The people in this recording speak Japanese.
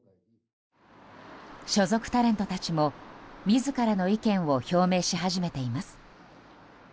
所属タレントたちも自らの意見を表明し始めています。